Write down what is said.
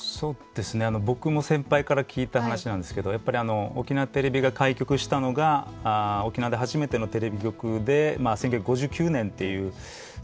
僕も先輩から聞いた話なんですけど沖縄テレビが開局したのが沖縄で初めてのテレビ局で１９５９年っていうそこなんですけど。